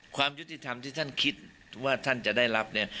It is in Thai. ความยุติธรรมที่ท่านคิดว่าท่านจะได้รับเนี่ย